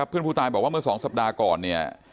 เพื่อนผู้ตายบอกว่าเมื่อ๒สัปดาห์ก่อนเนี่ย